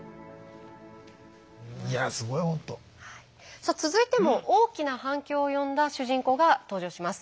さあ続いても大きな反響を呼んだ主人公が登場します。